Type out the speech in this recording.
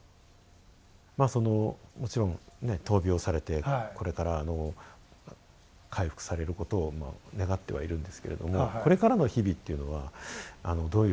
そのもちろんね闘病されてこれから回復されることを願ってはいるんですけれどもこれからの日々っていうのはどういうふうに。